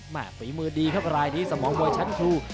ฝีมือดีครับรายนี้สมองมวยชั้นครู